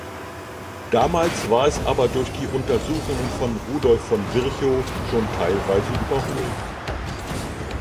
Damals war es aber durch die Untersuchungen von Rudolf von Virchow schon teilweise überholt.